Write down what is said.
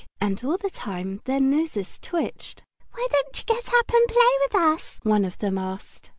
And all the time their noses twitched. "Why don't you get up and play with us?" one of them asked.